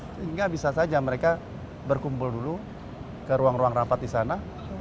sehingga bisa saja mereka berkumpul dulu ke ruang ruang rapat di sana